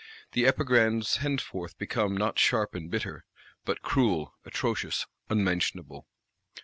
—The Epigrams henceforth become, not sharp and bitter; but cruel, atrocious, unmentionable.